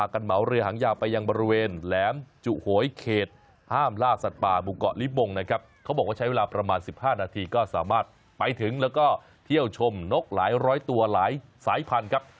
เขาบอกว่าใช้เวลาประมาณ๑๕นาทีก็สามารถไปถึงแล้วก็เที่ยวชมนกหลายร้อยตัวหลายสายพันครับ